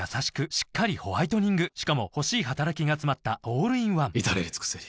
しっかりホワイトニングしかも欲しい働きがつまったオールインワン至れり尽せり